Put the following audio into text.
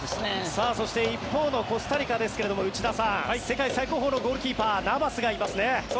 そして一方のコスタリカですが内田さん世界最高峰のゴールキーパーナバスがいますね。